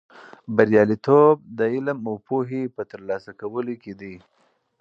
بریالیتوب د علم او پوهې په ترلاسه کولو کې دی.